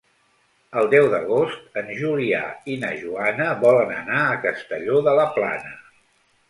El deu d'agost en Julià i na Joana volen anar a Castelló de la Plana.